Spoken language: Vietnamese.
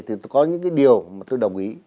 thì có những cái điều mà tôi đồng ý